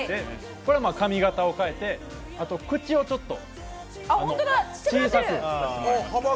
これは髪形を変えて、あと、口をちょっと小さく。